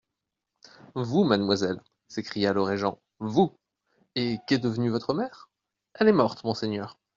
Vous, mademoiselle ! s'écria le régent, vous ! Et qu'est devenue votre mère ? Elle est morte, monseigneur.